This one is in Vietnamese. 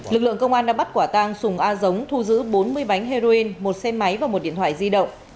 lực lượng công an đã bắt quả tang sùng a giống thu giữ bốn mươi bánh heroin một xe máy và một điện thoại di động